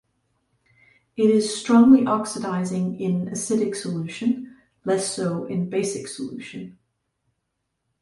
It is strongly oxidizing in acidic solution, less so in basic solution.